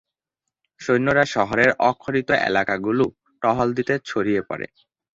সৈন্যরা শহরের অরক্ষিত এলাকাগুলো টহল দিতে ছড়িয়ে পড়ে।